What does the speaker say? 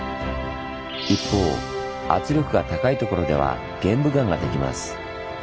一方圧力が高い所では玄武岩ができます。